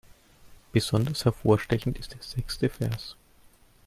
Besonders hervorstechend ist der sechste Vers.